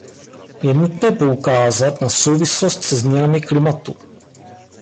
Je nutné poukázat na souvislost se změnami klimatu.